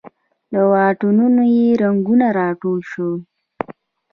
له واټونو یې رنګونه راټول شوې